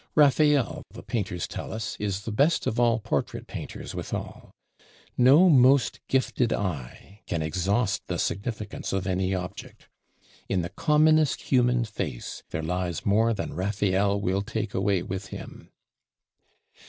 Raphael, the Painters tell us, is the best of all Portrait painters withal. No most gifted eye can exhaust the significance of any object. In the commonest human face there lies more than Raphael will take away with him.